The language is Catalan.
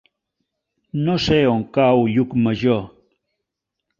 No sé on cau Llucmajor.